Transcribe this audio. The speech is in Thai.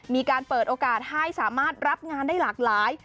มีการเปิดโอกาสให้สามารถรับงานได้หลากหลาย